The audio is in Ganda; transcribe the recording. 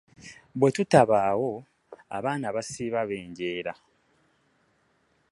Bwe tutabaawo abaana basiiba benjeera.